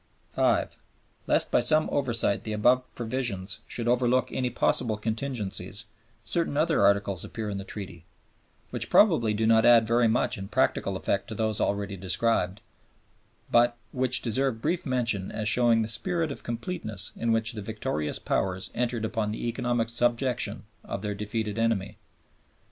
(5) Lest by some oversight the above provisions should overlook any possible contingencies, certain other Articles appear in the Treaty, which probably do not add very much in practical effect to those already described, but which deserve brief mention as showing the spirit of completeness in which the victorious Powers entered upon the economic subjection of their defeated enemy.